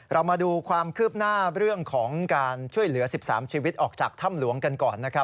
เรามาดูความคืบหน้าเรื่องของการช่วยเหลือ๑๓ชีวิตออกจากถ้ำหลวงกันก่อนนะครับ